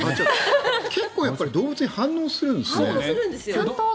結構動物に反応するんですね。